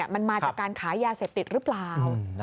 มันมาจากการขายยาเสพติดหรือเปล่า